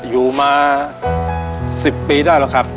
อยู่มา๑๐ปีได้แล้วครับ